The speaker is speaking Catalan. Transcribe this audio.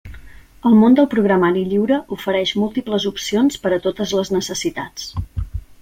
El món del programari lliure ofereix múltiples opcions per a totes les necessitats.